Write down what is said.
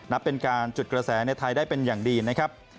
นับเป็นการจุดกระแสในไทยได้เป็นอย่างดีนะครับ